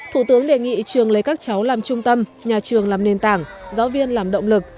thủ tướng đề nghị trường lấy các cháu làm trung tâm nhà trường làm nền tảng giáo viên làm động lực